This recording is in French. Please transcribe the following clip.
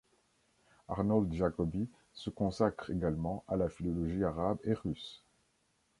Arnold Jacobi se consacre également à la philologie arabe et russe.